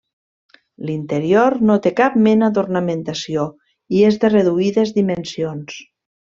L'interior no té cap mena d'ornamentació i és de reduïdes dimensions.